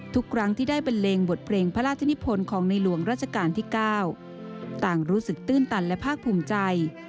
ทุกครั้งที่ได้บันเลงบทเพลงพระราชนิพลของในหลวงราชการที่๙ต่างรู้สึกตื้นตันและภาคภูมิใจ